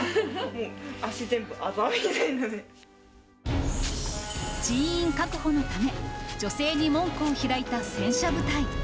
足、人員確保のため、女性に門戸を開いた戦車部隊。